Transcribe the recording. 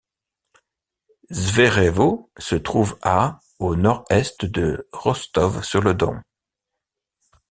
Zverevo se trouve à au nord-est de Rostov-sur-le-Don.